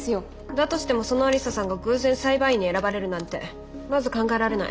だとしてもその愛理沙さんが偶然裁判員に選ばれるなんてまず考えられない。